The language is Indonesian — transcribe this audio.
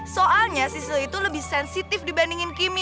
soalnya sisil itu lebih sensitif dibandingin kimi